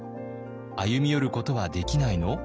「歩み寄ることはできないの？」